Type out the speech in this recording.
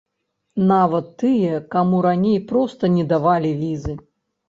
Нават тыя, каму раней проста не давалі візы.